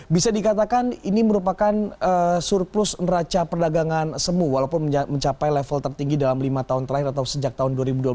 bisa dikatakan ini merupakan surplus neraca perdagangan semu walaupun mencapai level tertinggi dalam lima tahun terakhir atau sejak tahun dua ribu dua belas